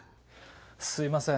すいません。